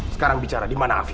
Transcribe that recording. sekarang bicara dimana afif